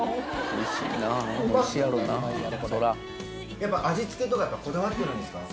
やっぱ味付けとかこだわってるんですか？